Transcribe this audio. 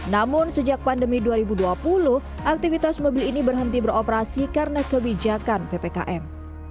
namun sejak pandemi dua ribu dua puluh aktivitas mobil ini berhenti beroperasi karena kebijakan ppkm